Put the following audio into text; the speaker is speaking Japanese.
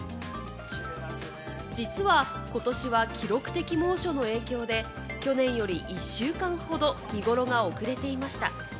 実はことしは記録的猛暑の影響で、去年より１週間ほど見頃が遅れていました。